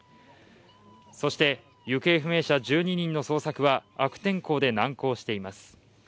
そして、行方不明者１２人の捜索は悪天候で難航しています。